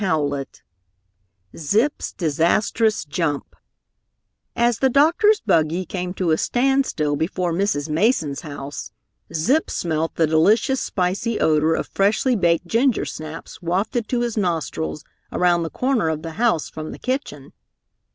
CHAPTER IV ZIP'S DISASTROUS JUMP As the doctor's buggy came to a standstill before Mrs. Mason's house, Zip smelt the delicious spicy odor of freshly baked gingersnaps wafted to his nostrils around the corner of the house from the kitchen.